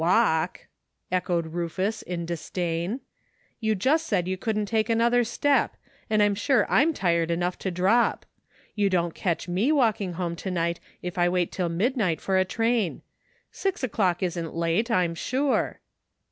"Walk!" echoed Rufus, in disdain; "you just said you couldn't take another step, and I'm sure I'm tired enough to drop. You don't catch me walking home to night if I wait till midnight for a train. Six o'clock isn't late, I'm sure."